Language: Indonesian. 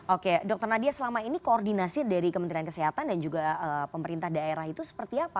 oke dr nadia selama ini koordinasi dari kementerian kesehatan dan juga pemerintah daerah itu seperti apa